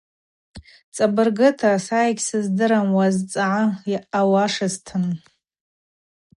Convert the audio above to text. Цӏабыргыта, са йгьсыздырам уазцӏгӏа ауашызтын.